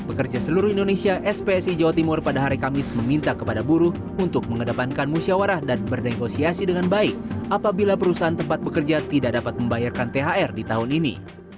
pekerja seluruh indonesia spsi jawa timur pada hari kamis meminta kepada buruh untuk mengedepankan musyawarah dan bernegosiasi dengan baik apabila perusahaan tempat bekerja tidak dapat membayarkan thr di tahun ini